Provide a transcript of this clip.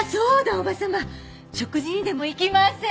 叔母様食事にでも行きません？